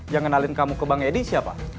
yang kenalin kamu ke bang edi siapa